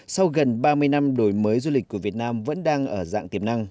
sau gần ba mươi năm đổi mới du lịch của việt nam vẫn đang ở dạng tiềm năng